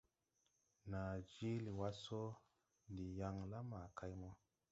Naa jiili wá sɔ ndi yaŋ la ma kay mo.